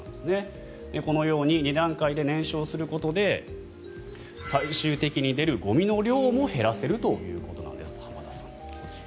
このように２段階で燃焼することで最終的に出るゴミの量も減らせるということなんです浜田さん。